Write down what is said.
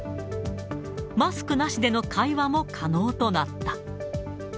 マスクなしでの会話も可能となった。